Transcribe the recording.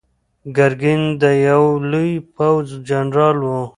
ګرګین د یوه لوی پوځ جنرال و.